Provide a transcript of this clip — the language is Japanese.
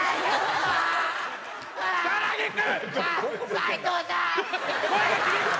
斉藤さん！